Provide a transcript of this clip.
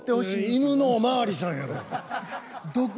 「犬のおまわりさん」？